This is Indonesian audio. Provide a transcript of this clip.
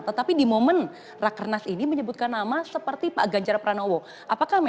tetapi di momen rakernas ini menyebutkan nama seperti pak ganjar pranjali pak jokowi pak mardiono dan pak mardiono